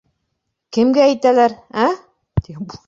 — Кемгә әйтәләр, ә!